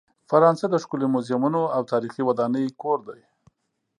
فرانسه د ښکلې میوزیمونو او تاریخي ودانۍ کور دی.